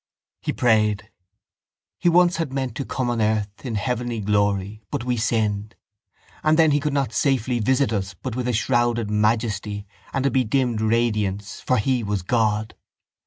He prayed: —_He once had meant to come on earth in heavenly glory but we sinned: and then He could not safely visit us but with a shrouded majesty and a bedimmed radiance for He was God.